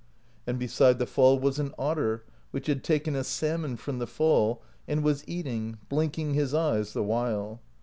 And beside the fall was an otter, which had taken a salmon from the fall and was eating, blinking his eyes the while.